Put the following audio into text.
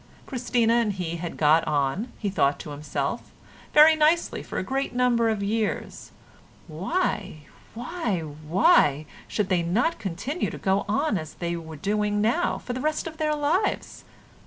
Christina and he had got on, he thought to himself, very nicely for a great number of years; why—why—why should they not continue to go on as they were doing now for the rest of their lives?